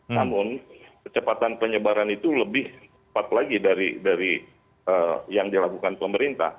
namun kecepatan penyebaran itu lebih cepat lagi dari yang dilakukan pemerintah